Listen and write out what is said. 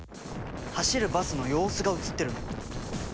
走るバスの様子が映ってるの。